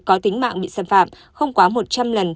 có tính mạng bị xâm phạm không quá một trăm linh lần